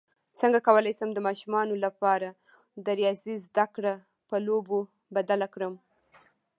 څنګه کولی شم د ماشومانو لپاره د ریاضي زدکړه په لوبو بدله کړم